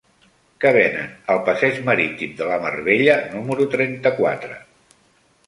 Què venen al passeig Marítim de la Mar Bella número trenta-quatre?